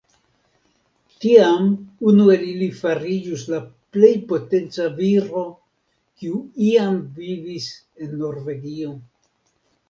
Tiam unu el ili fariĝus la plej potenca viro, kiu iam vivis en Norvegio.